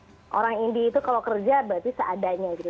jadi orang indi itu kalau kerja berarti seadanya gitu